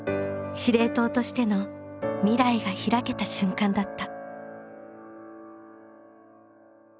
司令塔としての未来が開けた瞬間だった。